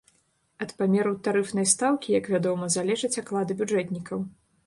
Ад памеру тарыфнай стаўкі, як вядома, залежаць аклады бюджэтнікаў.